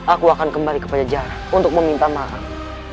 aku akan kembali ke jajaran untuk meminta maaf